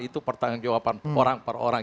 itu pertanggung jawaban orang per orang